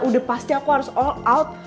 udah pasti aku harus all out